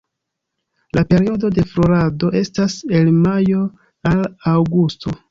La periodo de florado estas el majo al aŭgusto.